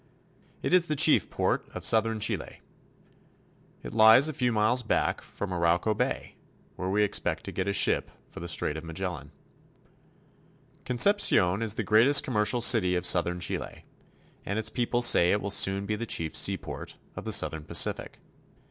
It is the chief port of southern Chile. It lies a few miles back from Arauco Bay, where we expect to get a ship for the Strait of Magellan. Concepcion is the greatest commercial city of southern Chile, and its people say it will soon be the chief seaport of the southern Pacific.